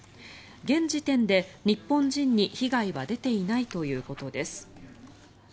現時点で日本人に被害は出ていないということです。